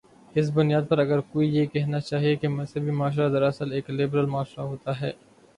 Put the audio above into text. اس بنیاد پر اگر کوئی یہ کہنا چاہے کہ مذہبی معاشرہ دراصل ایک لبرل معاشرہ ہوتا ہے۔